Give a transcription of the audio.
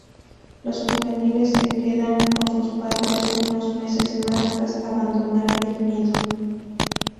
Los juveniles se quedan con sus padres unos meses más tras abandonar el nido.